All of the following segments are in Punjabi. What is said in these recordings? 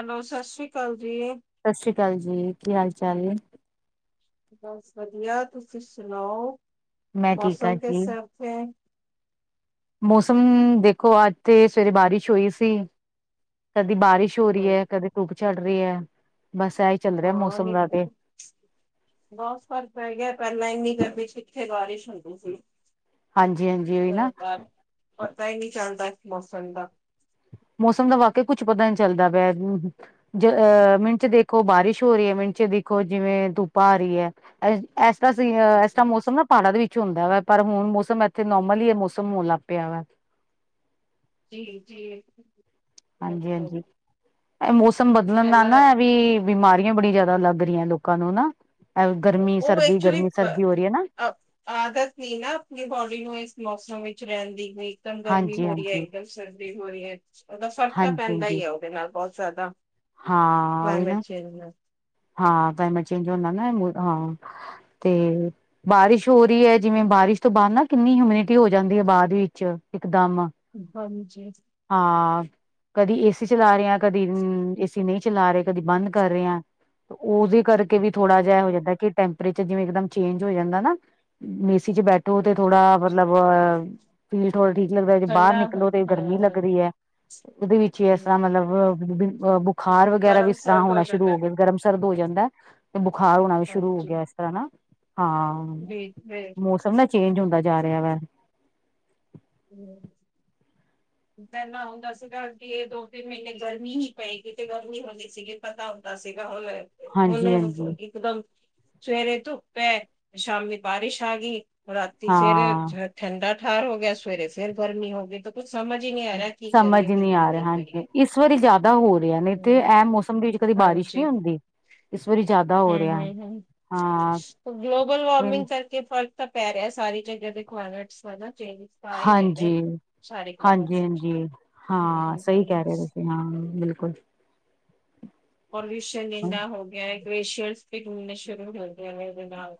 ਹੈਲੋ ਸਤਿ ਸ੍ਰੀ ਅਕਾਲ, [unintelligible] ਸ੍ਰੀ ਸਤਿ ਅਕਾਲ ਜੀ, ਕੀ ਹਾਲ ਚਾਲ? ਬਸ ਵਧੀਆ, ਤੁਸੀਂ ਸੁਣਾਓ? ਮੈਂ ਠੀਕ ਹਾਂ ਮੌਸਮ ਕੇ ਜੀ। ਹਿਸਾਬੇ, ਮੌਸਮ ਦੇਖੋ ਅੱਜ ਤੇ ਸਵੇਰੇ ਬਾਰਿਸ਼ ਹੋਈ ਸੀ। ਦੀ ਬਾਰਿਸ਼ ਹੋ ਰਹੀ ਹਾਂ, ਹੈ ਕਦੇ ਧੂੱਪ ਚੜ ਰਹੀ ਹੈ। ਬਸ ਇਹੀ ਚੱਲ ਰਿਹਾ ਹਾਂ ਮੌਸਮ ਦਾ ਤੇ ਬਹੁਤ ਫਰਕ ਪੈ ਗਿਆ ਪਹਿਲਾਂ ਇਨੀ ਕਰ ਵੀ ਕਿਥੇ ਬਾਰਿਸ਼ ਹੁੰਦੀ ਸੀ। ਹਾਂਜੀ ਹਾਂਜੀ ਇਸ ਤਰ੍ਹਾਂ ਨਾ, ਬਾਹਰ ਪਤਾ ਹੀ ਨੀ ਚੱਲਦਾ ਇਸ ਮੌਸਮ ਦਾ ਮੌਸਮ ਦਾ ਵਾਕ ਕੁਛ ਪਤਾ ਨੀ ਚੱਲਦਾ ਪਿਆ ਜ ਅਹ ਮਿੰਟ ਚ ਦੇਖੋ ਬਾਰਿਸ਼ ਹੋ ਰਹੀ ਹੈ ਮਿੰਟ ਚ ਦੇਖੋ ਜਿਵੇਂ ਧੁੱਪਾ ਆ ਰਹੀ ਹੈ। ਤਾਂਸੀਂ ਇਸ ਤਰ੍ਹਾਂ ਮੌਸਮ ਨਾ ਪਹਾੜਾਂ ਦੇ ਵਿੱਚ ਹੁੰਦਾ ਵਾ ਪਰ ਹੁਣ ਮੌਸਮ ਇੱਥੇ ਨੋਰਮਲ ਹੀ ਮੌਸਮ ਹੋਣ ਲੱਗ ਪਿਆ ਵਾ ਜੀ ਜੀ ਹਾਂਜੀ-ਹਾਂਜੀ ਇਹ ਮੌਸਮ ਬਦਲਣ ਨਾਲ ਪਹਿਲਾਂ ਨਾ ਵੀ ਬਿਮਾਰੀਆਂ ਬੜੀਆਂ ਜ਼ਿਆਦਾ ਲੱਗ ਗਰੀਆਂ ਲੋਕਾਂ ਨੂੰ ਨਾ ਗਰਮੀ ਉਹ ਸਰਦੀ ਐਕਚੁਲੀ ਗਰਮੀ ਸਰਦੀ ਹੋ ਰਹੀ ਹੈ ਨਾ ਆਦਤ ਨ ਨਾ ਆਪਣੀ ਬੋਡੀ ਨੂੰ ਇਸ ਮੌਸਮ ਵਿੱਚ ਰਹਿੰਦੀ ਹੋਈ ਇਕਦਮ ਗਰਮੀ ਹਾਂਜੀ ਹੋ ਰਹੀ ਹੈਏ ਹਾਂਜੀ ਇੱਕ ਦਮ ਸਰਦੀ ਹੋ ਰਹੀ ਹੈ ਉਹਦਾ ਫ਼ਰਕ ਤਾਂ ਪੈਂਦਾ ਹੀ ਹੈ ਉਹਦੇ ਨਾਲ ਬਹੁਤ ਜਾਦਾ ਹਾ ਉਹੀ ਨਾ ਹਾਂ ਕਲਾਈਮੇਟ ਚੇਂਜ ਹੁੰਦਾ ਨਾ ਹਾਂ ਤੇ ਬਾਰਿਸ਼ ਹੋ ਰਹੀ ਹੈ ਜਿਵੇਂ ਬਾਰਿਸ਼ ਤੋਂ ਬਾਅਦ ਨਾ ਕਿੰਨੀ ਹਮਿਨਿਟੀ ਹੋ ਜਾਂਦੀ ਹੈ ਬਾਅਦ ਵਿੱਚ ਇਕਦਮ ਹਾਂਜੀ [inaudible] ਹਾਂ ਕਦੀ ਏਸੀ ਚਲਾ ਰਹੇ ਹ ਕਦੀ ਏਸੀ ਨਹੀਂ ਚਲਾ ਰਹੇ ਕਦੀ ਬੰਦ ਕਰ ਰਹੇ ਹ ਉਹਦੇ ਕਰਕੇ ਵੀ ਥੋੜਾ ਜਿਹਾ ਹਾਂਜੀ, ਹੋ ਜਾਂਦਾ ਕਿ ਟੈਂ ਜਿਵੇਂ ਇਕਮ ਚੇਂਜ ਹੋ ਜਾਂਦਾ ਨਾ ਚ ਬੈਠੋ ਤੇ ਹਾਂਜੀ, ਥੋੜਾ ਹਾਂਜੀ। ਮਤਲਬਹ ਫੀਲ ਥੋੜਾ ਠੀਕ ਲੱਗਦਾ ਜੇ ਬਾਹਰ ਠੰਡਾ ਨਿਕਲੋ ਹਾਂ, ਤੇ ਗਰਮੀ ਲੱ ਹਾਂ, ਲਗਦੀ ਹੈ ਉਹਦੇ ਵਿੱਚ ਹੀ ਇਸ ਤਰ੍ਹਾਂ ਹੂੰ। ਮਤਲਬ ਬੁਖਾਰ ਵਗੈਰਾ ਵੀ ਗਰਮ ਇਸ ਤਰ੍ਹਾਂ ਸਰਦ ਹੋਣਾ ਸ਼ੁਰੂ ਜਾਂਦਾ ਹੋ ਹੈ। ਗਿਆ ਗਰਮ ਸਰਦ ਹੋ ਜਾਂਦਾ ਤੇ ਬੁਖਾਰ ਹੋਣਾ ਵੀ ਸ਼ੁਰੂ ਹੋ ਹਾਂਜੀ ਗਿਆ ਇਸ ਤਰ੍ਹਾਂ ਨਾ ਹਾਂ ਜੀ ਜੀ ਮੌਸਮ ਨਾ ਚੇਂਜ ਹੁੰਦਾ ਜਾ ਰਿਹਾ ਵੈ- ਪਹਿਲਾਂ ਹੁੰਦਾ ਸੀਗਾ ਕਿ ਇਹ ਦੋ ਤਿੰਨ ਮਹੀਨੇ ਗਰਮੀ ਹੀ ਪਏਗੀ ਤੇ ਗਰਮੀ ਹਦੀ ਸੀਗੀ ਪਤਾ ਹੁੰਦਾ ਸੀਗਾ ਹੋਵੇ ਹੁਣ ਹਾਂਜੀ ਬਸ ਹਾਂਜੀ ਇੱਕਦਮ ਸਵੇਰੇ ਤੁਪੇ ਸ਼ਾਮੀ ਬਾਰੀਿਸ਼ ਆਗੀ ਰਾਤ ਫੇਰ ਹਾਂ ਠੰਡਾ ਠਾਰ ਹੋ ਗਿਆ ਸੀ ਸਵੇਰੇ ਸਿਰ ਗਰਮੀ ਹੋਗੀ ਤਾਂ ਕੁਛ ਸਮਝ ਹੀ ਨਹੀਂ ਆ ਰਿਹਾ ਕਰੀਏ ਹਾਂਜੀ ਇਸ ਵਾਰੀ ਜ਼ਿਆਦਾ ਹੋ ਰਿਹਾ ਇੱਥੇ ਹੂੰ ਇਹਮ ਮੌਸਮ ਦੇ ਵਿੱਚ ਕਦੇ ਬਾਰਿਸ਼ ਹਾਂਜੀ ਨਹੀਂੀ ਹੁੰਦੀ ਇਸ ਵਾਰੀ ਜ਼ਿਆਦਾ ਹੋ ਹੂੰ ਰਿਹਾ ਹੂੰ ਹੂੰ ਹਾਂ ਗਲੋਬਲ ਵਾਰਮਿੰਗ ਕਰਕੇ ਫ਼ਰਕ ਤਾਂ ਪੈ ਰਿਹਾ ਸਾਰੀ ਜਗ੍ਹਾ ਦੇਖਵਾਣਾ ਚੇਂ ਹਾਂਜੀ ਵਿੱਚ ਹਾਂਜੀ-ਹਾਂਜੀ ਹਾਂ ਸਹੀ ਕਹਿ ਰਹੇ ਤੁਸੀਂ ਹਾਂ ਬਿਲਕੁਲ ਪੋਲੂਸ਼ਨ ਇਨਾ ਹੋ ਗਿਆ ਗਲੇਸ਼ੀਅਰ ਵੀ ਘੁਲਣੇ ਵੀ ਸ਼ੁਰੂ ਹੋ ਗਏ ਨੇ ਇਹਦੇ ਨਾਲ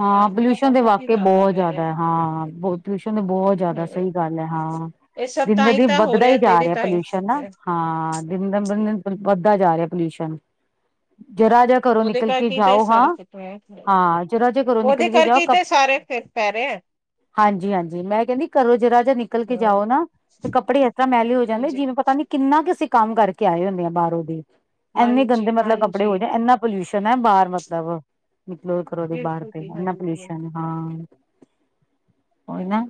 ਹਾਂ ਤਾਂ ਪੋਲਿਊਸ਼ਨ ਦੇ ਬਹੁਤ ਹੀ ਵਾਕ ਬਹੁਤ ਪੈ ਰਿਹਾ। ਜ਼ਿਆਦਾ ਹਾਂ ਬ ਪੋਲਿਊਸ਼ਨ ਬਹੁਤ ਜਿਆਦਾ ਸਹੀ ਹੂੰ, ਗੱਲ ਹੈ ਹਾਂ ਇਹ ਸਭ ਦਿਨ ਤਾਂ ਬ ਹੀ ਦਿਨ ਤਾਂ ਹੋ ਵੱਧਦਾ ਹੀ ਤੇ ਜਾ ਇਹਦੇ ਰਿਹਾ ਤਾਂ ਹੀ ਸਭ ਪੋਲਿਊਸ਼ਨ ਨਾ ਹੈ। ਹਾਂ ਦਿਨ ਦਾ ਵੱਧਦਾ ਜਾ ਰਿਹਾ ਪੋਲਿਊਸ਼ਨ ਜਰਾ ਜਿਹਾ ਘਰੋਂ ਉਹਦੇ ਨਿਕਲ ਕੇ ਕਰਕੇ ਹੀ ਤਾਂ ਇਹ ਜਾਓ ਸਾਰਾ ਹਾਂ-ਹਾਂ ਫਿਟ ਹੋਇਆ। ਜ ਜੇ ਘਰੋਂ ਉਹਦੇ ਨਿਕਲ ਕੇ ਕਰਕੇ ਜਾਓ ਹੀ ਕ ਤਾਂ ਇਹ ਸਾਰੇ ਫਿਰ ਪੈ ਰਹੇ ਆ ਹਾਂਜੀ-ਹਾਂਜੀ ਮੈਂ ਕਹਿੰਦੀ ਘਰੋਂ ਜਿਹਰਾ ਰਾ ਜਹਾ ਨਿਕਲ ਕੇ ਹੂੰ। ਜਾਓ ਨਾ ਤੇ ਕੱਪੜੇ ਇਸ ਤਰ੍ਹਾਂ ਮਹਿਲੇ ਹੋ ਜਾਂਦੇ ਹਾਂਜੀ, ਜਿਵੇਂ ਪਤਾ ਨੀ ਕਿੰਨਾ ਅਸੀਂ ਕੰਮ ਕਰਕੇ ਆਏ ਹੁੰਦੇ ਹਾਂ ਬਾਹਰੋਂ ਇੰਨੇ ਗੰਦੇ ਹਾਂਜੀ, ਮਤਲਬ ਕੱਪੜੇ ਹੋ ਹਾਂਜੀ ਜਾ ਇੰਨਾ ਪੋਲਿਊਸ਼ਨ ਨਾ ਬਾਹਰ ਮਤਲਬ-ਮਤਲਬ! ਏ ਥੋਦੀ ਬਾਹਰ ਬਿਲਕੁਲ ਤੇ ਜੀ ਇਨਾ ਹਾਂਜੀ। ਪੋਲਿਊਸ਼ਨ ਏ, ਹਾਂ। ਔ ਈ ਨਾ,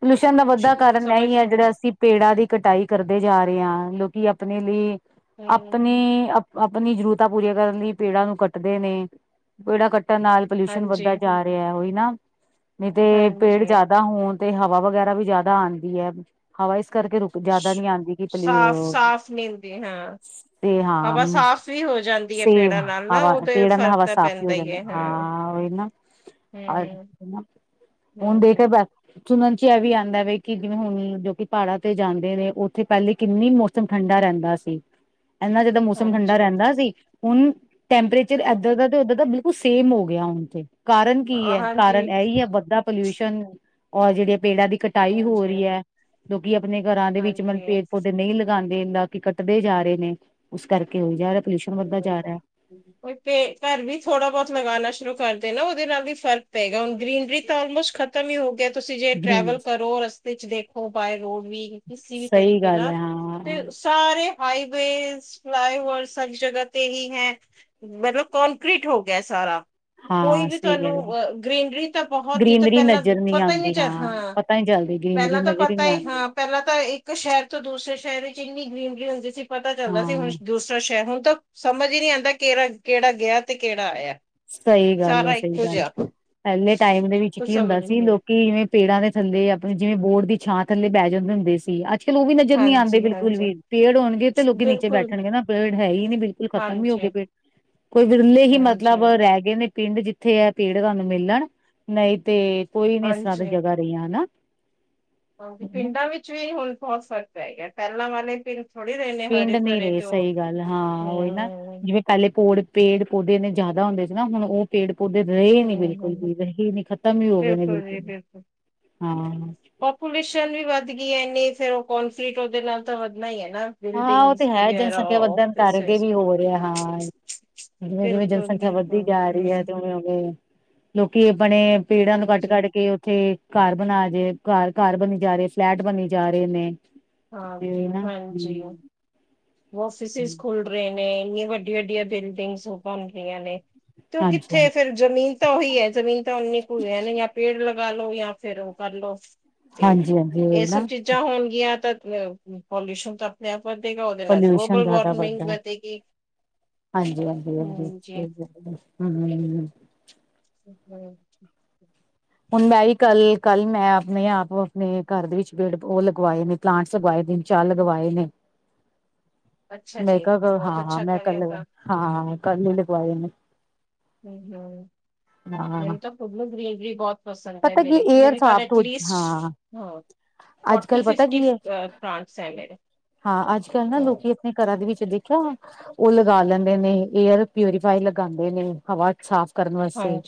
ਪੋਲਿਸ਼ਨ ਦਾ ਕੁਛ ਵੱਧਾ ਕਾਰਨ ਇਹ ਸਮਝ ਹੀ ਹੈ ਨਹੀਂ ਜਿਹੜਾ ਆਇਆ। ਅਸੀਂ ਪੇੜਾਂ ਦੀ ਕਟਾਈ ਕਰਦੇ ਜਾ ਰਹੇ ਆਂ, ਲੋਕੀ ਆਪਣੇ ਲਈ ਆਪਣੇ ਹੂੰ, ਆਪਣੀ ਜ਼ਰੂਰਤਾਂ ਪੂਰੀਆਂ ਕਰਨ ਲਈ ਪੇੜਾਂ ਨੂੰ ਕੱਟਦੇ ਨੇ। ਪੇੜਾ ਕੱ ਟਣ ਨਾਲ ਪੋਲਿਊਸ਼ਨ ਹਾਂਜੀ, ਵੱਧਦਾ ਜਾ ਰਿਹਾ ਔਈ ਨਾ ਨਹੀਂ ਤੇ ਪੇੜ ਹਾਂਜੀ। ਜਿਆਦਾ ਹੋਣ। ਤੇ ਹਵਾ ਵਗੈਰਾ ਵੀ ਜਿਆਦਾ ਆਦੀ ਹੈ। ਹਵਾ ਇਸ ਕਰਕੇ ਰੁਕ ਜਿਆਦਾ ਨੀ ਆਦੀ ਕਿ ਪਈ ਸਾਫ਼-ਸਾਫ਼ ਨੀਂਦੀ ਹਾਂ। ਤੇ ਹਾਂ ਹਵਾ ਸਾਫ਼ ਵੀ ਹੋ ਜਾਂਦੀ ਹੈ ਸੇ ਪੇੜਾਂ ਨਾਲ ਨਾ ਹਵਾ ਉਹਦੇ ਪੜਾਂ ਦਾ ਫ਼ਰਕ ਹਵਾ ਤਾਂ ਸਾਫ਼ ਪੈਂਦਾ ਜਾਂ ਹੀ ਹੈ ਹਾਂ ਨਾ ਹੂੰ, ਹੁਣ ਦੇਖ ਹਾਂਜੀ, ਬ ਸੁਣਨ ਚ ਇਹ ਵੀ ਆਦਾ ਵੀ ਕਿ ਜਿਵੇਂ ਹੁਣ ਜੋ ਕਿ ਪਹਾੜਾਂ ਤੇ ਜਾਂਦੇ ਨੇ ਉੱਥੇ ਪਹਿਲੇ ਕਿੰਨੀ ਮੌਸਮ ਠੰਡਾ ਰਹਿੰਦਾ ਸੀ। ਇਨਾ ਜਿੱਦਾਂ ਮੌਸਮ ਠੰਡਾ ਹਾਂਜੀ, ਰਹਿੰਦਾ ਸੀ, ਹੁਣ ਟੈਂਪਰੇਚਰ ਹਾਂ, ਇੱਧਾਂ ਹਾਂ। ਦਾ ਤੇ ਉੱਧਰ ਬਿਲਕੁਲ ਸੇਮ ਹੋ ਗਿਆ ਹੁਣ ਤੇ ਕਾਰਨ ਕੀ ਹੈ, ਹਾਂਜੀ। ਕਾਰਨ ਇਹੀ ਹੈ ਵੱਧਾ ਪੋਲਿਊਸ਼ਨ ਰ ਜਿਹੜੀਆਂ ਪੇੜਾਂ ਦੀ ਕਟਾਈ ਹੋ ਹਾਂਜੀ, ਰਹੀ ਹੈ। ਲੋਕੀ ਆਪਣੇ ਘਰਾਂ ਦੇ ਵਿੱਚ ਮਤਲਬ ਹਾਂਜੀ। ਪੇੜ ਪੌਦੇ ਨਹੀਂ ਲਗਾਦੇ। ਦੇ ਦਾ ਕਿ ਕੱਟਦੇ ਜਾ ਰਹੇ ਨੇ, ਉਸ ਕਰਕੇ ਹੋਈ ਜਾ ਰਿਹਾ ਪੋਲਿਊਸ਼ਨ ਵੱਧਦਾ ਜਾ ਰਿਹਾ ਕੋਈ ਘਰ ਵਿਚ ਥੋੜਾ ਬਹੁਤ ਲਗਾਣਾ ਸ਼ੁਰੂ ਕਰਦੇ ਨਾ ਉਹਦੇ ਨਾਲ ਵੀ ਫ਼ਰਕ ਪਏਗਾ ਹੁਣ ਗਰੀਨਰੀ ਤਾਂ ਆਲਮੋਸਟ ਖਤਮ ਹੀ ਹੋ ਗਿਆ। ਤੁਸੀਂ ਜੇ ਗ੍ਰੀਨ ਟਰੈਵਲ ਕਰੋ ਰਸਤੇ ਚ ਦੇਖੋ ਬਾਏ ਰੋਡ ਵੀ ਕਿਸੇ ਵੀ ਸਹੀ ਤਰੀਕੇ ਗੱਲ ਨਾਲ, ਹੈ ਹਾਂ ਤੇ ਸਾਰੇ ਹਾਈ ਬੇਜ਼ ਫਲਾਈਓਵਰਸ ਸਾਰੀ ਜਗ੍ਹਾ ਤੇ ਹੀ ਹੈ, ਮਤਲਬ ਕੋਂਕ੍ਰੀਟ ਹੋ ਗਿਆ ਸਾਰਾ ਕੋਈ ਹਾਂ ਵੀ ਸਹੀ ਤੁਹਾਨੂੰ ਗੱਲ ਹੈ ਅ ਗਰੀਨਰੀ ਤਾਂ ਬਹੁਤ ਹੀ ਤਾਂ ਗ੍ਰੀਨਰੀ ਪਹਿਲਾਂ ਨਜ਼ਰ ਪਤਾ ਹੀ ਨਹੀਂ ਆਉਂਦੀ ਚੱਲ ਹਾਂ ਪਤਾ ਨੀ ਚੱਲਦੀ ਗ੍ਰੀਨਰੀ ਪਹਿਲਾਂ ਤਾਂ ਨਜ਼ਰ ਪਤਾ ਨਹੀਂ ਹੀ ਆਉਂਦੀ ਹਾਂ ਪਹਿਲਾਂ ਤਾਂ ਇੱਕ ਸ਼ਹਿਰ ਤੋਂ ਦੂਸਰੇ ਸ਼ਹਿਰ ਹੀ ਕਿਨੀ ਗ੍ਰੀਨ ਨ੍ਰਰੀ ਹੁੰਦੀ ਸੀ। ਪਤਾ ਚੱਲਦਾ ਸੀ ਹੁਣ ਹਾਂ ਦੂਸਰਾ ਹੁਣ ਤਾਂ ਸਮਝ ਹੀ ਨੀ ਆਦਾ ਕਿਹੜਾ ਕਿਹੜਾ ਗਿਆ ਤੇ ਕਿਹੜਾ ਆਇਆ। ਸਹੀ ਗੱਲ ਹੈ ਸਾਰਾ ਸਹੀ ਇੱਕੋ ਗੱਲ, ਜਿਹਾ ਪਹਿਲੇ ਟਾਈਮ ਦੇ ਵਿੱਚ ਕੁਛ ਕੀ ਸਮਝ ਹੁੰਦਾ ਸੀ ਨਹੀਂ ਲੋਕੀ ਜਿਵੇਂ ਪੇੜਾਂ ਦੇ ਥੱਲੇ ਆਪਣੇ ਜਿਵੇਂ ਬੋਰਡ ਦੀ ਛਾਂ ਥੱਲੇ ਬਹਿ ਜਾਂਦੇ ਹੁੰਦੇ ਸੀ। ਉਹ ਵੀ ਨਜ਼ਰ ਨੀ ਆਉਂਦੇ ਹਾਂਜੀ ਬਿਲਕੁਲ ਹਾਂਜੀ ਵੀ, ਪੇੜ ਹੋਣਗੇ ਤੇ ਲੋਕੀ ਨੀਚੇ ਬਿਲਕੁਲ ਬੈਠਣਗੇ ਨਾ ਪੇੜ ਹੈ ਹੀ ਨੀ ਬਿਲਕੁਲ ਖਤਮ ਹੀ ਹੋ ਹਾਂਜੀ ਗਏ ਪੇੜ ਕੋਈ ਵਿਰਲੇ ਹੀ ਮ [inaudible] ਹਾਂਜੀ ਪਿੰਡ ਜਿੱਥੇ ਹੈ ਪੈੜ ਤੁਹਾਨੂੰ ਮਿਲਣ ਨਹੀਂ ਤੇ ਕੋਈ ਨੀ ਇਸ ਤਰ੍ਹਾਂ ਦੀ ਹਾਂਜੀ ਜਗ੍ਹਾ ਰਹੀਆਂ ਹਨਾ ਹਾਂਜੀ ਪਿੰਡਾਂ ਵਿੱਚ ਵੀ ਹੁਣ ਹੋ ਸਕਦਾ ਹੈਗਾ ਪਹਿਲਾਂ ਵਾਲੇ ਪ ਪਿੰਡ ਨਹੀਂ ਰਹੇ ਸਹੀ ਗੱਲ ਹਾਂ ਹੀ ਨਾ ਹਮ ਜਿਵੇਂ ਪਹਿਲੇ ਪੌੜ ਪੇੜ -ਪੌਦੇੇ ਨੇ ਜ਼ਿਆਦਾ ਹੁੰਦੇ ਸੀ ਨਾ ਹੁਣ ਉਹ ਪੇੜ ਦੇ ਰਹੇ ਨੀ ਹਮ ਬਿਲਕੁਲ ਹਮ ਵੀ ਰਹੇ ਨੀ ਖ਼ਤਮ ਹੀ ਹੋ ਗਏ ਨੇ ਬਿਲਕੁਲ ਹਾਂ ਨੀ ਫੇਰ ਉਹ ਕੋਂਨਫਰੀਟ ਉਹਦੇ ਨਾਲ ਤਾਂ ਵਧਣਾ ਹੀ ਨਾ ਹਾਂ ਉਹ ਤੇ ਬਿਲਡਿੰਗਸ ਹੈ ਵਗੈਰਾ ਜਨਸੰਖਿਆ ਵੱਧਣ ਕਰਕੇ ਆਫਿਸਿਸ ਵੀ ਹੋ ਰਿਹਾ ਹਾਂ ਜਿਵੇਂ ਜਿਵੇਂ ਬਿਲਕੁਲ ਜਨਸੰਖਿਆ ਵੱਧਦੀ ਬਿਲਕੁਲ ਜਾ ਰਹੀ ਹੈ ਹਮ ਤੇ ਉਵੇਂ -ਉਵੇਂ ਲੋਕੀ ਆਪਣੇ ਪੇੜਾਂ ਨੂੰ ਕੱਢ ਹਾਂਜੀ -ਕੱਢ ਕੇ ਉੱਥੇ ਘਰ ਬਣਾ ਜੇ ਘਰ -ਘਰ ਬਣੀ ਜਾ ਰਹੇ ਫਲੈਟ ਬਣੀਨੀ ਜਾ ਰਹੇ ਨੇ ਤੇ ਹਾਂਜੀ ਉਹੀ ਨਾ -ਹਾਂਜੀ [inaudible] ਹਮ ਫਿਸਿਸ ਖੁਲ ਰਹੇ ਨੇ ਇਨੀ ਵੱਡ ਵੱਡੀਆਂ ਵੱਡੀਆਂ ਬਿਲਡਿੰਗਸ ਬਣ ਰਿਆਂ ਨੇ ਤੇ ਉਹ ਹਾਂਜੀ ਹਾਂਜੀ ਕਿੱਥੇ ਫਿਰ ਜ਼ਮੀਨ ਤਾਂ ਉਹੀ ਹੈ ਜ਼ਮੀਨ ਤਾਂ ਉਨੀ ਕੁ ਜਾਂ ਪੇੜ ਲੱ ਗਾ ਲੋ ਜਾਂ ਫੇਿਰ ਉਹ ਕਰਲੋ ਤੇ ਹਾਂਜੀ ਹਾਂਜੀ ਉਹੀ ਇਹ ਸਭ ਨਾ ਚੀਜ਼ਾਂ ਹੋਣਗੀਆਂ ਤਾਂ ਪੋਲਿਊਸ਼ਨ ਤਾਂ ਆਪਣੇ ਆਪ ਵਦੇ ਪੋਲਿਊਸ਼ਨ ਜ਼ਿਆਦਾ ਵੱਦਾ ਹਾਂਜੀ- ਹਾਂਜੀ -ਹਾਂਜੀ ਹਮ ਜੀ ਹ ਹਮ ਹੁਣ ਮੈਂ ਵੀ ਕੱਲ ਕੱਲ ਮੈਂ ਆਪਣੇ ਆਪ ਆਪਣੇ ਘਰ ਦੇ ਵਿੱਚ ਗੇੜ ਉਹ ਲਗਵਾਏ ਨੇ ਪਲਾਂਟਸ ਲਗਵਾਏ ਦਿਨ ਚਾਹ ਲਗਵਾਏ ਨੇ ਮੈਂ ਕਿਹਾ ਹਾਂ ਮੈਂ ਕੱਲ ਹਾਂਾਂ ਕੱਲ ਹੀ ਲਗਵਾਏਨੇ ਹਮ- ਹਮ ਹਾਂ ਮਨ ਤਾਂ ਪੁਗ ਮਦ- ਬਹੁਤ ਪਸੰਦ ਹੈ ਪਤਾ ਕੀ ਮੇ ਏਅਰ ਮੇਰੇ ਘਰ ਸਾਫ਼ ਤੋਂ ਐਟਲੀਸਟ ਹਾਂ ਹਾ ਅੱਜ ਫੋਕੀ ਕੱਲ ਪਤਾ -ਫਿਫਟੀ ਕੀ ਹੈ ਪਲਾਂਟਸ ਹੈਗੇ ਨੇ ਹਾਂ ਅੱਜ ਕੱਲ ਨਾ ਲੋਕੀ ਆਪਣੇ ਘਰਾਂ ਦੇ ਵਿੱਚ ਦੇਖਿਆ ਉਹ ਲਗਾ ਲੈਂਦੇ ਨੇ ਏਅਰ ਪਿਊਰੀਫਾਈ ਲਗਾਉਂਦੇ ਨੇ ਹਵਾ ਸਾਫ਼ ਕਰਨ ਵਾਸਤੇ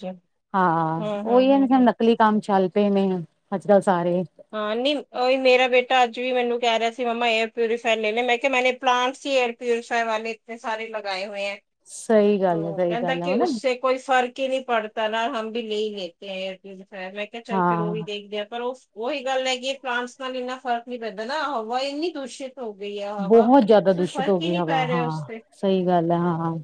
ਹਾਂ ਨਕਲੀ ਕੰ ਚੱਲ ਪਏ ਨੇ ਅੱਜ ਕੱਲ ਸਾਰੇ ਹਾਂ, ਨੀ ਔਈ ਮੇਰਾ ਬੇਟਾ ਅੱਜ ਵੀ ਮੈਨੂੰ ਕੈ ਰਿਆ ਸ ਸੀ ਮੰਮਾ ਏਅਰ ਪਿਊਰੀਫਾਇਰ ਲੈ ਲੇ ਮੈਂ ਕਿਆ ਮੈਂਨੇ ਪਲਾਂਟਸ ਈ ਏਅਰ ਪਿਊਰੀਫਾਇਰ ਵਾਲੇ ਇਤਣੇ ਸਾਰੇ ਲਗਾਏ ਹੋਏ ਐ। ਸਹੀ ਗੱਲ ਏ, ਸਹੀ ਗੱਲ ਐ ਉਹ ਨਾ। ਕੇ ਨੀ ਪੜਤਾ ਨਾ ਹਮ ਬੀ ਲੇ ਈ ਲੇਤੇ ਐ ਏਅਰ ਟਯੁਜ਼ਰ। ਮੈਂ ਕਿਆ ਚੱਲ ਫੇਰ ਔ ਵੀ ਹਾਂ ਦੇਖਦੇ ਆ, ਪਰ ਓਸ ਔਹੀ ਗੱਲ ਹੈਗੀ ਏ, ਪਲਾਂਟਸ ਨਾਲ ਇੰਨਾ ਫਰਕ ਨੀ ਪੈਂਦਾ ਨਾ ਹਵਾ ਇੰਨੀ ਦੂਸ਼ਿਤ ਹੋ ਗਈ ਹੈ ਹਵਾ ਬਹੁਤ ਜਾਦਾ ਕੋਈ ਦੂਸਿ਼ਤ ਹੋ ਫਰਕ ਹੀ ਗੀ ਨਹੀਂ ਹਵਾ, ਪੈ ਰਿਹਾ ਉਸ ਹਾਂ ਤੇ ਸਹੀ ਗੱਲ ਐ ਹਾਂ ਹਾਂ।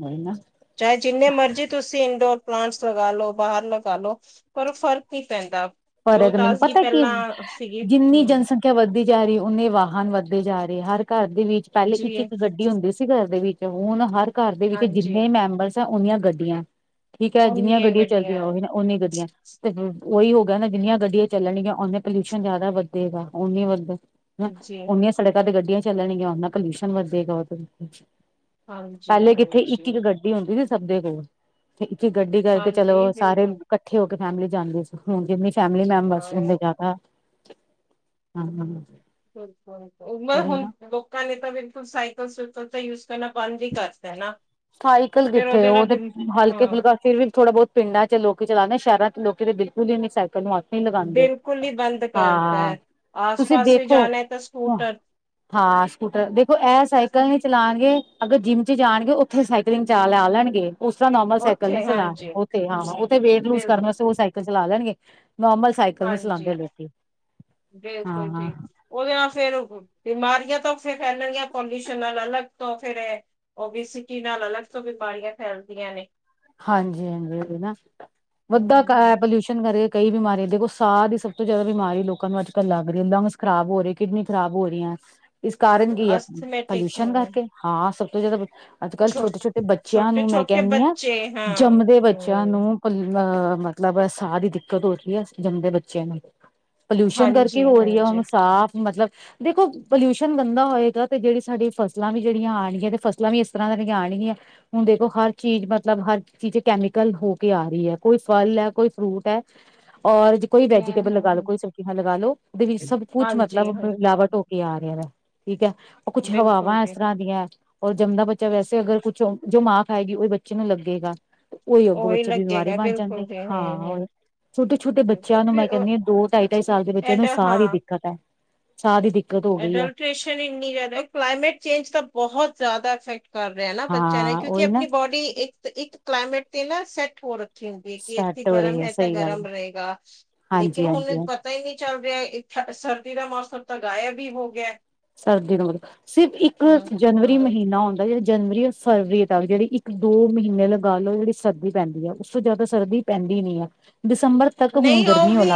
ਨਈ ਨਾ। ਚਾਏ ਜਿੰਨੇ ਮਰਜ਼ੀ ਤੁਸੀਂ ਇੰਡੋਰ ਪਲਾਂਟਸ ਲਗਾ ਲੋ ਬਾਹਰ ਲਗਾ ਲੋ, ਪਰ ਔਹ ਫ਼ਰਕ ਨੀ ਪੈਂਦਾ। ਜੋ ਫਰਕ ਨੀ ਤਾਜ਼ਗੀ ਪਤੈ ਕਿ ਪਹਿਲਾਂ ਸੀਗੀ ਜਿੰਨੀ ਹਮ ਜਨਸੰਖਿਆ ਵੱਧਦੀ ਜਾ ਰੀ ਔਨੀ ਵਾਹਨ ਵੱਧਦੇ ਜਾ ਰੇ, ਹਰ ਘਰ ਦੇ ਵਿੱਚ ਪੈਲੇ ਜੀ ਇੱਕ- ਇੱਕ ਗੱਡੀ ਹੁੰਦੀ ਸੀ, ਘਰ ਦੇ ਵਿੱਚ। ਤੇ ਹੁਣ ਹਰ ਘਰ ਦੇ ਵਿੱਚ ਹਾਂਜੀ ਜਿੰਨੇ ਮੈਂਬਰਸ ਤਾਂ ਓਨੀਆ ਗੱਡੀਆਂ। ਠੀਕ ਹੈ ਜਿੰਨੀਆਂ ਉਨੀਆਂ ਹੀ ਗੱਡੀਆਂ ਚੱਲਦੀਆਂ ਓਹੀ ਨਾ ਓਨੀ ਗੱਡੀਆਂ ਤੇ ਹੁ ਔਈ ਹੋ ਕਹਿੰਦੇ ਜਿੰਨੀਆਂ ਗੱਡੀਆਂ ਚੱਲਣਗੀਆਂ ਓਨੇ ਪੋਲਿਊਸ਼ਨ ਜਾਦਾ ਵਧੇਗਾ, ਓਨੀ ਵੱਧੇ ਜੀ ਓਨੀਆਂ ਸੜਕਾਂ ਤੇ ਗੱਡੀਆਂ ਚੱਲਣਗੀਆਂ ਔਨਾ ਪੌਲੂਸ਼ਨ ਵੱਧੇਗਾ ਔ ਫੇਰ। ਹਾਂਜੀ ਪਹਿਲੇ ਕਿੱਥੇ ਹਾਂਜੀ ਇੱਕ -ਇੱਕ ਗੱਡੀ ਹੁੰਦੀ ਸੀ। ਸਭ ਦੇ ਕੋਲ ਇਥੇ ਚ ਗੱਡੀ ਕਰਕੇ ਹਾਂਜੀ ਚਲੋ ਸਾਰੇ ਬਿਲਕੁਲ ਕੱਠੇ ਹੋ ਕੇ ਫੈਮਿਲੀ ਜਾਂਦੀ ਸੀ। ਹੁਣ ਜਿਮੇਂ ਫੈਮਿਲੀ ਮੈਂਬਰਸ ਹੋ ਹਾਂ ਗਏ ਜਾਦਾ ਹਾਂ, ਹਾਂ। ਔਏ ਨਾ ਮੈਂ ਉਹੀ ਹੁਣ ਨਾ ਲੋਕਾਂ ਨੇ ਤਾਂ ਬਿਲਕੁਲ ਸਾਇਕਲ ਸੁਟ ਹੁਣ ਤੇ ਯੂਜ ਕਰਨਾ ਬੰਦ ਈ ਕਰਤੈ ਨਾ। ਸਾਈਕਲ ਫੇਰ ਕਿੱਥੇ ਉਹਦੇ ਨਾਲ ਔਤੇ ਬਿਲ ਹਲਕੇ ਹਾਂ ਫੁਲਕਾ ਫਿਰ ਵੀ ਥੋੜਾ ਬੌਤ ਪਿੰਡਾਂ ਚ ਲੋਕੀ ਚਲਾਂਦੇ ਸਹਿਰਾਂ ਚ ਲੋਕੀ ਤੇ ਬਿਲਕੁਲ ਈ ਨੀ ਸਾਇਕਲ ਕਲ ਨੂੰ ਹੱਥ ਨੀ ਲਗਾਂਦੇ ਬਿਲਕੁਲ ਹੀ ਬੰਦ ਕਰਤਾ ਹਾਂ, ਹੈ ਆਸ ਤੁਸੀਂ ਪਾਸ ਵੀ ਦੇਖੋ ਜਾਣਾ ਹੈ ਤਾਂ ਅਹ ਸਕੂਟਰ ਹਾਂ ਸਕੂਟਰ ਦੇਖੋ ਐ ਸਾਈਕਲ ਨੀ ਚਲਾਣਗੇ ਅਗਰ ਜਿੰਮ ਚ ਜਾਣਗੇ ਉਹ ਉੱਥੇ ਸਾਈਕਲਿੰਗ ਚਾ ਲਾ ਲੈਣਗੇ। ਉਸ ਤਰ੍ਹਾਂ ਨੋਰਮਲ ਸਾਈਕਲ ਨੇ ਉੱਥੇ ਚਲਾਣੇ ਹਾਂਜੀ ਉੱਥੇ ਹਾਂ ਉਤੇ ਵੇਟ ਲੂਸ ਕਰਨ ਬਿਲਕੁਲ ਵਾਸਤੇ ਉਹ ਸਾਈਕਲ ਚਲਾ ਲੈਣਗੇ ਨੋਰਮਲ ਸਾਈਕਲ ਨੀ ਹਾਂਜੀ ਚਲਾਉਂਦੇ ਲੋਕੀ ਹਾਂ ਬਿਲਕੁਲ ਹਾਂ ਜੀ ਉਹਦੇ ਨਾਲ ਫੇਰ ਬਿਮਾਰੀਆਂ ਧੋਫ਼ੇ ਫੈਲਣਗੀਆਂ ਪੋਲਿਊਸ਼ਨ ਨਾਲ ਅਲੱਗ ਤੋਂ ਫੇਿਰ ਓਬੀਸੀਟੀ ਨਾਲ ਅਲੱਗ ਤੋਂ ਬਿਮਾਰੀਆਂ ਫੈਲਦੀਆਂ ਨੇ ਹਾਂਜੀ-ਹਾਂਜੀ ਨਾ ਵੱਧਾ ਖਾਯਾ ਪੋਲਿਊਸ਼ਨ ਕਰੇ ਕਈ ਬਿਮਾਰੀਆਂ ਦੇਖੋ ਸਾਹ ਦੀ ਸਭ ਤੋਂ ਜਿਆਦਾ ਬਿਮਾਰੀ ਲੋਕਾਂ ਨੂੰ ਅੱਜ ਕੱਲ ਲੱਗ ਰਹੀ ਹੈ ਲੰਗਸ ਖਰਾਬ ਹੋ ਰਹੇ ਕਿਡਨੀ ਖਰਾਬ ਹੋ ਰਹੀਆਂ ਇਸ ਕਾਰਨ ਕੀ ਹੈ ਅਸਥਮੈਟਿਕ ਪੋਲਿਊਸ਼ਨ ਹਮ ਕਰਕੇ ਹਾਂ ਜਦੋੱ ਅੱਜ ਕੱਲ੍ਹ ਛੋ ਛੋਟੇ-ਛੋਟੇ ਬੱਚਿਆਂ ਛੋਟੇ ਨੂੰ ਮੈਂ ਛੋਟੇ ਕਹਿੰਣੀ ਹਾਂ ਬੱਚੇ ਹਾਂ ਜੰਮਦੇ ਬੱਚਿਆਂ ਹਮ ਨੂੰ ਅਹ ਮਤਲਬ ਸਾਹ ਦੀ ਦਿੱਕਤ ਹੋ ਰਹੀ ਹੈ ਜੰਮਦੇ ਬੱਚਿਆਂ ਨੂੰ ਪੋਲਿਊਸ਼ਨ ਕਰਕੇ ਹਾਂਜੀ ਹੋ ਰਹੀ ਹੈ ਹਾਂਜੀ ਹੁਣ ਸਾਫ਼ ਮਤਲਬ ਦੇਖੋ ਪੋਲਿਊਸ਼ਨ ਗੰਦਾ ਹੋਏਗਾ ਤੇ ਜਿਹੜੀ ਸਾਡੀ ਫਸਲਾਂ ਵੀ ਜਿਹੜੀਆਂ ਆਣਗੀਆਂ ਤੇ ਫਸਲਾਂ ਵੀ ਇਸ ਤਰ੍ਹਾਂ ਦੇਹੜੀਆਂ ਆਣਗੀਆਂ ਹੁਣ ਦੇਖੋ ਹਰ ਚੀਜ਼ ਮਤਲਬ ਮਤਲਬ ਹਰ ਚੀਜ਼ ਚ ਕੈਮੀਕਲ ਹੋ ਕੇ ਆ ਰਹੀ ਹੈ ਕੋਈ ਫਲ ਹੈ ਕੋਈ ਫਰੂਟ ਹੈ ਔਰ ਕੋਈ ਵੈਜੀਟੇਬਲ ਹਮ ਹਮ ਲਗਾ ਲ ਲੋ ਹਮ ਕੋਈ ਸਬਜ਼ੀਆਂ ਲਗਾ ਲੋ ਉਹਦੇ ਵਿੱਚ ਸਭ ਕੁਛ ਹਾਂਜੀ ਮਤਲਬ ਹਾਂਜੀ ਮਿਲਾਵਟ ਹੋ ਕੇ ਆ ਰਿਹਾ ਵੈ ਠੀਕ ਹੈ ਉਹ ਕੁਛ ਬਿਲਕੁਲ ਹਵਾਵਾਂ ਇਸ ਜੀ ਤਰ੍ਹਾਂ ਦੀਆਂ ਹੈ ਜੰਮਦਾ ਬੱਚਾ ਵੈਸੇ ਅਗਰ ਕੁਛ ਜੋ ਮਾਂ ਖਏਗੀ ਉਹ ਬੱਚੇ ਨੂੰ ਲੱਗੇਗਾ ਉਹੀ ਅਗੋਂ ਬੱਚੇ ਬਿਮਾਰ ਹੀ ਬਣ ਜਾਂਦੇ ਹਾਂ ਛੋਟੇ ਛੋਟੇ ਬੱਚਿਆਂ ਨੂੰ ਮੈਂ ਕਹਿੰਦੀ ਹਾਂ ਦੋ ਢਾਈ ਢਾਈ ਸਾਲ ਦੇ ਐ ਬੱਚਿਆਂ ਨੂੰ ਤੇ ਸਾਹ ਦੀ ਹਾਂ ਦਿੱਕਤ ਹੈ ਸਾਹ ਦੀ ਦਿੱਕਤ ਹੋ ਗਈ ਹੈ ਅਡਲਟ੍ਰੇਸ਼ਨ ਇਨੀ ਜ਼ਿਆਦਾ ਕਲਾਮੇਟ ਚੇਂਜ ਤਾਂ ਬਹੁਤ ਜ਼ਿਆਦਾ ਇਫੈਕਟ ਕਰ ਰਿਹਾ ਨਾ ਬੱਚਿਆਂ ਨੇ ਹਾਂ ਕਿਉਂਕਿ ਉਹੀ ਨਾ ਆਪਣੀ ਬੋਡੀ ਇੱਕ ਇੱਕ ਕਲਾਈਮੇਟ ਤੇ ਨਾ ਸੈਟ ਹੋਰ ਦੀ ਕਿ ਇੱਥੇ ਸੈਟ ਹੋ ਗਰਮ ਰਹੀ ਹੈ ਤਾਂ ਸਹੀ ਗੱਲ ਗਰਮ ਐ ਰਹੇਗਾ ਲੇਕਿਨ ਹਾਂਜੀ ਹੁਣ ਹਾਂਜੀ ਪਤਾ ਹੀ ਨਹੀਂ ਚੱਲ ਰਿਹਾ ਇੱਕ ਅੜ ਸਠ ਸਰਦੀ ਦਾ ਮੌਸਮ ਤਾਂ ਗਾਇਬ ਹੀ ਹੋ ਗਿਆ ਸਰਦੀ ਨੂੰ ਮਤਲਬ ਸਿਰਫ ਇੱਕ ਹਮ ਜਨਵਰੀ ਹਮ ਮਹੀਨਾ ਹੁੰਦਾ ਜਨਵਰੀ ਜਾਂ ਫਰਵਰੀ ਤੱਕ ਜਿਹੜੀ ਇੱਕ ਦੋ ਮਹੀਨੇ ਲਗਾ ਲਓ ਜਿਹੜੀ ਸਰਦੀ ਪੈਂਦੀ ਹੈ ਉਸ ਤੋਂ ਜ਼ਿਆਦਾ ਸਰਦੀ ਪੈਂਦੀ ਨੀ ਆ ਨਹੀਂ ਆਊਗੀ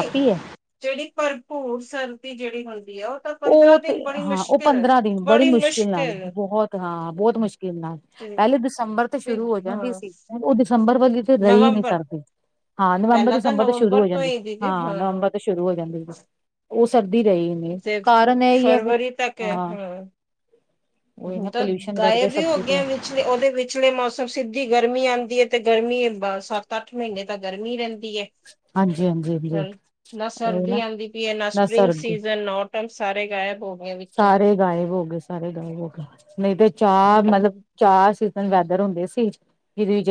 ਜਿਹੜੀ ਭਰਪੂਰ ਸਰਦੀ ਜਿਹੜੀ ਹੁੰਦੀ ਆ ਤਾਂ ਉਹ ਪੰਦਰਾਂ ਤੇ ਦਿਨ ਬੜੀ ਹਾਂ ਉਹ ਮੁਸ਼ਕਿਲ ਹੈ। ਪੰਦਰਾਂ ਦਿਨ ਬੜੀ ਮੁਸ਼ਕਿਲ ਨਾਲ ਬਹੁਤ ਹਾਂ ਬਹੁਤ ਮੁਸ਼ਕਿਲ ਨਾਲ ਤੇ ਪਹਿਲੇ ਦਸੰਬਰ ਤੋਂ ਤੇ ਸ਼ੁਰੂ ਹੋ ਜਾਂਦੀ ਹਾਂ ਸੀ ਉਹ ਦਸੰਬਰ ਵਰਗੀ ਤੇ ਰਹੀ ਨੀ ਨਵੰਬਰ ਸਰਦੀ ਹਾਂ ਨਵੰਬਰ ਪਹਿਲਾਂ ਤਾਂ ਦਸੰਬਰ ਤੋਂ ਸ਼ੁਰੂ ਹੋ ਨਵੰਬਰ ਜਾਂਦੀ ਹੀ ਦੀਦੀ ਹਾਂ ਨਵੰਬਰ ਤੋਂ ਸ਼ੁਰੂ ਹੋ ਜਾਂਦੀ ਉਹ ਸਰਦੀ ਰਹੀ ਨੀ। ਜੇ ਕਾਰਨ ਇਹੀ ਹੈ ਫਿਰ ਫਰਵਰੀ ਤੱਕ ਹੈ ਹਾਂ ਉਹੀ ਹੁਣ ਨਾ ਤਾਂ ਪੋਲਿਊਸ਼ਨ ਕਰਕੇ ਗਾਇਬ ਹੀ ਸਭ ਹੋ ਕੁਛ ਗ ਵਿਚਲੇ ਉਹਦੇ ਵਿਚਲੇ ਮੌਸਮ ਸਿੱਧੀ ਗਰਮੀ ਆਉਂਦੀ ਹੈ ਤੇ ਗਰਮੀ ਮੀ ਸੱਤ ਅੱਠ ਮਹੀਨੇ ਤਾਂ ਗਰਮੀ ਰਹਿੰਦੀ ਹੈ ਹਾਂਜੀ ਹਾਂਜੀ ਸਰ ਨਾ ਹਾਂਜੀ ਨਾ ਨਾ ਸਰ ਨੌਟਮ ਸਾਰੇ ਗਾਇਬ ਹੋ ਗਏ ਵਿੱਚੋਂ ਸਾਰੇ ਗਾਇਬ ਹੋ ਗਏ ਸੀ ਸਾਾਰੇ ਦ ਹੋਗਾ ਨਹੀਂ ਤੇ ਚਾਹ ਮਤਲਬ ਹਮ ਚਾਹ ਸੀ ਵੈਦਰ ਹੁੰਦੇ ਸੀ ਜਿ ਜ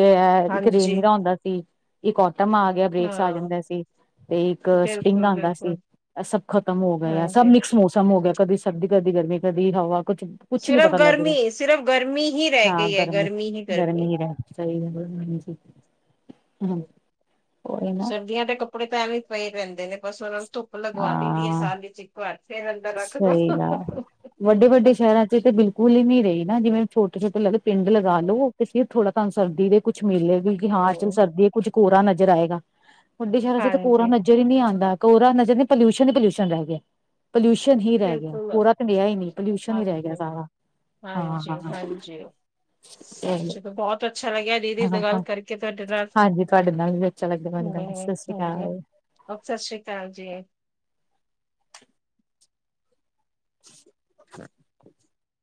ਇੱਕ ਰੇ ਹਾਂਜੀ ਨਰਾ ਹੁੰਦਾ ਸੀ ਇੱਕ ਖਟਮ ਆ ਗਿਆ ਬ੍ਰੇਕਸ ਆ ਹਾਂ ਜਾਂਦਾ ਸੀ ਤੇ ਇੱਕ ਸਪਿੰਗ ਬਿਲਕੁਲ ਆਉਂਦਾ ਬਿਲਕੁਲ ਸੀ ਇਹ ਸਭ ਖਤਮ ਹੋ ਗਿਆ ਸਭ ਹਾਂਜੀ ਮਿਕਸ ਮੌਸਮ ਹੋ ਗਿਆ ਕਦੀ ਸਰਦੀ ਕਦੀ ਗਰਮੀ ਕਦੀ ਹਵਾ ਕੁਛ ਕੁਛ ਨੀ ਸਿਰਫ਼ ਪਤਾ ਲੱਗ ਰਿਹਾ ਗਰਮੀ ਸਿਰਫ਼ ਗਰਮੀ ਹੀ ਰਹਿ ਹਾਂ ਗਈ ਹੈ ਗਰਮੀ ਹੀ ਗਰਮੀ ਹੀ ਰਹਿ [inaudible] ਉਹੀ ਨਾ ਸਰਦੀਆਂ ਤੇ ਕੱਪੜੇ ਪੈਵੇ ਹੀ ਪਏ ਰੈਂਦੇ ਨੇ ਬਸ ਉਹਨਾਂ ਨੂੰ ਧੁੱਪ ਲਗਵਾ ਦਿੰਦੀ ਹੈ ਹਾਂ ਸਾਰ ਚ ਇੱਕ ਵਾਰ ਫੇਰ ਅੰਦਰ ਰੱਖ ਦੋ ਸਹੀ ਗੱਲ ਵੱਡੇ ਵੱਡੇ ਸ਼ਹਿਰਾਂ ਚ ਤਾਂ ਬਿਲਕੁਲ ਹੀ ਨਹੀਂੀ ਰਹੀ ਨਾ ਜਿਵੇਂ ਛੋਟੇ ਛੋਟੇ ਲੱਗਦੇ ਪਿੰਡ ਲਗਾ ਲੋ ਕਿਸੇ ਥੋੜਾ ਸਰਦੀ ਦੇ ਕੁਛ ਮਿਲੇਗੀ ਕਿ ਹਾਂ ਚ ਹਮ ਸਰਦੀ ਕੁੱਝ ਕੋਰਾ ਨਜ਼ਰ ਆਏਗਾ ਵੱਡੇ ਸ਼ਹਿਰਾਂ ਚ ਤੇ ਕੋਰਾ ਹਾਂਜੀ ਨਜ਼ਰ ਹੀ ਨੀ ਆਉਂਦਾ ਕੋਰਾ ਨਜ਼ਰ ਨਹੀਂ ਪੋਲਿਊਸ਼ਨ ਹੀ ਪੋਿਊਸ਼ਨ ਰਹਿ ਗ ਪੋਲਿਊਸ਼ਨ ਹੀ ਰਹਿ ਗਿਆ ਬਿਲਕੁਲ ਕੋੜਰਾ ਘੰਡਿਆ ਹੀ ਨਹੀਂੀ ਪੋਲਿਊਸ਼ਨ ਹੀ ਰਹਿ ਗਿਆ ਹਾਂਜੀ ਸਾਰਾ ਹਾਂ ਹਾਂਜੀ ਹਾਂ ਹਾਂਜੀ ਚਲੋ ਬਹੁਤ ਅੱਛਾ ਲੱਗਿਆ ਦੀਦੀ ਗੱਲ ਹਾਂ ਕਰਕੇ ਤੁਹਾਡੇ ਨਾਲ ਹਾਂਜੀ ਤੁਹਾਡੇ ਨਾਲ ਵੀ ਅਛਾ ਲੱਗਦਾ ਹਮ ਮੈਨੂੰ ਸਤਿ ਸ੍ਰੀ ਹਾਂਜੀ ਅਕਾਲ ਸਤਿ ਸ੍ਰੀ ਅਕਾਲ ਜੀ [inaudible]